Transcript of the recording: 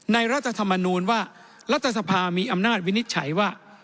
รัฐธรรมนูญว่ารัฐสภามีอำนาจวินิจฉัยว่า